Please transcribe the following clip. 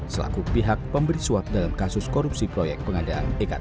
selaku pihak pemberi suap dalam kasus korupsi proyek pengadaan ekt